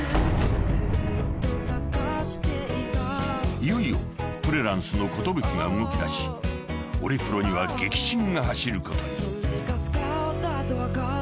［いよいよトレランスの寿が動きだしオリプロには激震が走ることに］